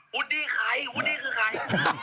ูดดี้ใครวูดดี้คือใคร